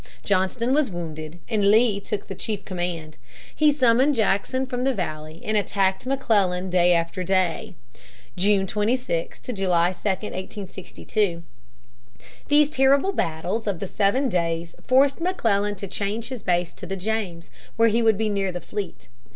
Johnston was wounded, and Lee took the chief command. He summoned Jackson from the Valley and attacked McClellan day after day, June 26 to July 2, 1862. These terrible battles of the Seven Days forced McClellan to change his base to the James, where he would be near the fleet.